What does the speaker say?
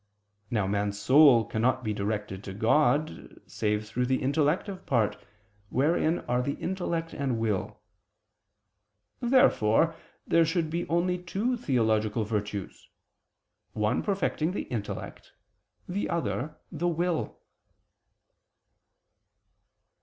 Now man's soul cannot be directed to God, save through the intellective part, wherein are the intellect and will. Therefore there should be only two theological virtues, one perfecting the intellect, the other, the will.